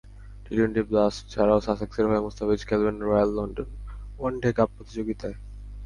T twenty blast ছাড়াও সাসেক্সের হয়ে মুস্তাফিজ খেলবেন রয়্যাল লন্ডন ওয়ানডে কাপ প্রতিযোগিতায়।